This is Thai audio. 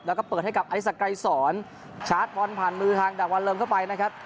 แล้วก็เปิดให้กับอัลิสักรายสรชาร์จบอลผ่านมือทางดักวัลเริ่มเข้าไปนะครับ